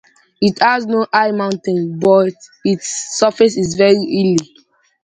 It has no high mountains, but its surface is very hilly.